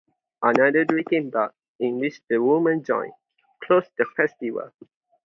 Another drinking-bout, in which the women joined, closed the festival.